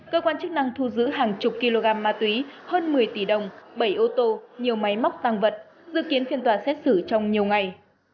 cơ quan chức năng thu giữ hàng chục kg ma túy hơn một mươi tỷ đồng bảy ô tô nhiều máy móc tăng vật dự kiến phiên tòa xét xử trong nhiều ngày